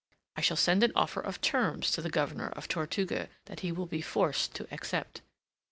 I shall send an offer of terms to the Governor of Tortuga that he will be forced to accept.